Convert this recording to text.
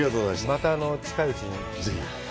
また近いうちにぜひ。